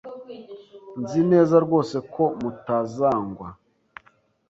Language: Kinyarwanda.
Nzi neza rwose ko mutazangwa.